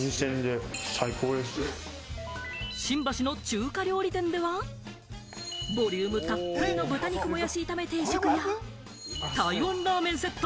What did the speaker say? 新橋の中華料理店ではボリュームたっぷりの豚肉もやし炒め定食や、台湾ラーメンセット。